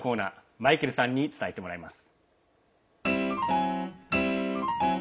マイケルさんに伝えてもらいます。